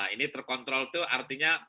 ini terkontrol itu artinya